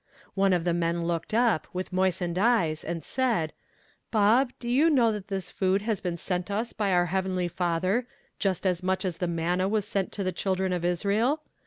One of the men looked up, with moistened eyes, and said: "Bob, do you know that this food has been sent us by our heavenly Father, just as much as the manna was sent to the Children of Israel?